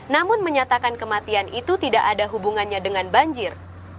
namun menyatakan kematian itu tidak ada hubungannya dengan banjir